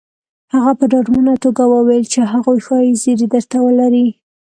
هغه په ډاډمنه توګه وويل چې هغوی ښايي زيری درته ولري